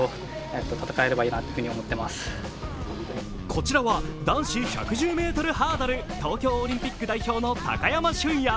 こちらは男子１１０ｍハードル東京オリンピック代表の高山峻野。